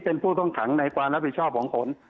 เป็นผู้ต้องขังในความรับผิดชอบของขน